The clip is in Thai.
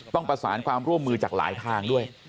ต้องประสานความร่วมมือจากหลายทางด้วย